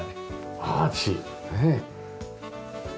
アーチねえ。